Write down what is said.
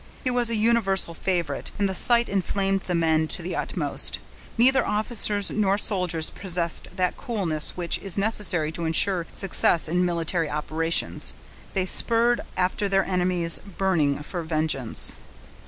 He was a universal favorite, and the sight inflamed the men to the utmost: neither officers nor soldiers possessed that coolness which is necessary to insure success in military operations; they spurred after their enemies, burning for vengeance.